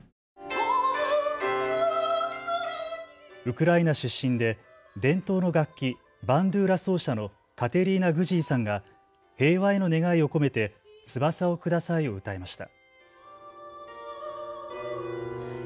ウクライナ出身で伝統の楽器、バンドゥーラ奏者のカテリーナ・グジーさんが平和への願いを込めて翼をくださいを歌いました。